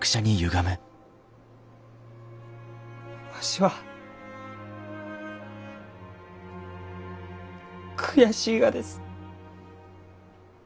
わしは悔しいがです。